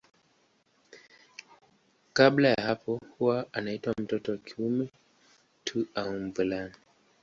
Kabla ya hapo huwa anaitwa mtoto wa kiume tu au mvulana.